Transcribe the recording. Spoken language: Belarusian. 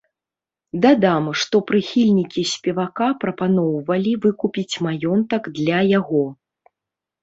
Дадам, што прыхільнікі спевака прапаноўвалі выкупіць маёнтак для яго.